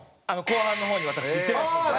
後半の方に私行ってますので。